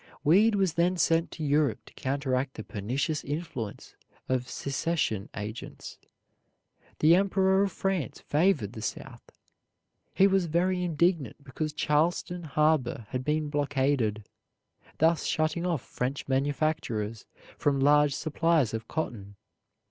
Weed was then sent to Europe to counteract the pernicious influence of secession agents. The emperor of France favored the South. He was very indignant because Charleston harbor had been blockaded, thus shutting off French manufacturers from large supplies of cotton.